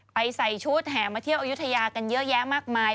ใส่ชุดแห่มาเที่ยวอายุทยากันเยอะแยะมากมาย